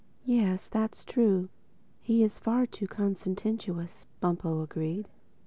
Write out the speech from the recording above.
"Yes, that's true. He's far too consententious," Bumpo agreed.